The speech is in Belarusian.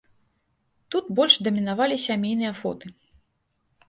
Тут больш дамінавалі сямейныя фоты.